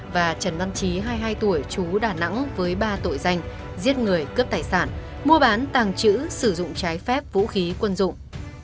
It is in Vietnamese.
và trần văn trí hai mươi hai tuổi chú đà nẵng với ba tội danh giết người cướp tài sản mua bán tàng trữ sử dụng trái phép vũ khí quân dụng